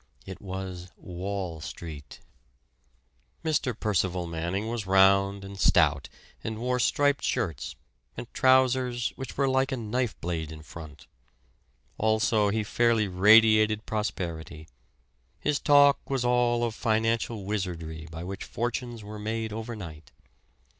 It was Wall Street! Mr. Percival Manning was round and stout, and wore striped shirts, and trousers which were like a knife blade in front; also, he fairly radiated prosperity. His talk was all of financial wizardry by which fortunes were made overnight.